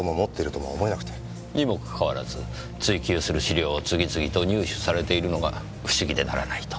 にもかかわらず追及する資料を次々と入手されているのが不思議でならないと？